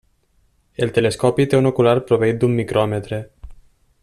El telescopi té un ocular proveït d'un micròmetre.